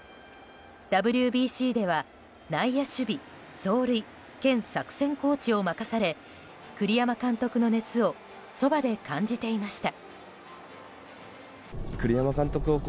ＷＢＣでは内野守備・走塁兼作戦コーチを任され栗山監督の熱をそばで感じていました。